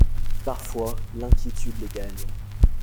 Parfois l’inquiétude les gagne.